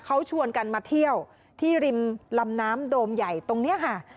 เขาชวนกันมาเที่ยวที่ริมลำน้ำโดมใหญ่ตรงนี้ค่ะ